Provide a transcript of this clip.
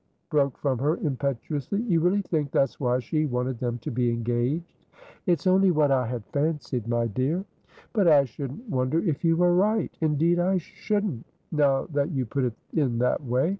broke from her, impetuously. "You really think that's why she wanted them to be engaged?" "It's only what I had fancied, my dear" "But I shouldn't wonder if you were right! Indeed, I shouldn't! Now that you put it in that way.